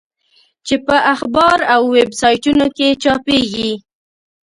چې په اخبار او ویب سایټونو کې چاپېږي.